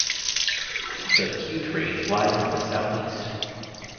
The Piute Range lies to the southeast.